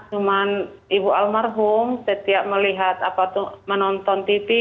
cuman ibu almarhum setiap melihat atau menonton tv